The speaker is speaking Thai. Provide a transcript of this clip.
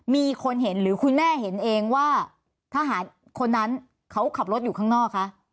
มีคนเห็นหรือคุณแม่เห็นเองว่าทหารคนนั้นเขาขับรถอยู่ข้างนอกคะ